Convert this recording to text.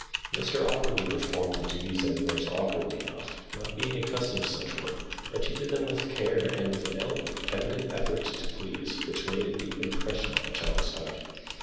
Mr Auberly performed the duties of a nurse awkwardly enough, not being accustomed to such work, but he did them with care and with an evident effort to please, which made a deep impression on the child's heart.